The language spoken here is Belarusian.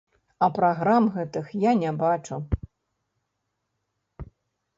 А праграм гэтых я не бачу.